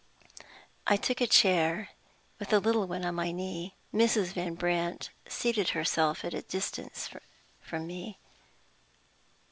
I took a chair, with the little one on my knee. Mrs. Van Brandt seated herself at a distance from me.